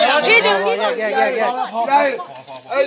ไอ้บาร์ส